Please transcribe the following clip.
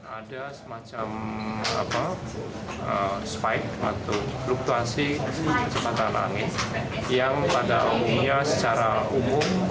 ada semacam spike atau fluktuasi kecepatan angin yang pada umumnya secara umum